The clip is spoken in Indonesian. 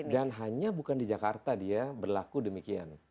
dan hanya bukan di jakarta dia berlaku demikian